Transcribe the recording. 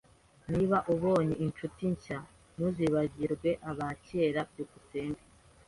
Niba ubonye inshuti nshya, ntuzibagirwe abakera. byukusenge